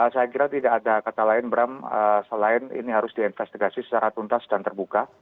saya kira tidak ada kata lain bram selain ini harus diinvestigasi secara tuntas dan terbuka